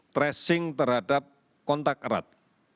tracing terhadap kontak erat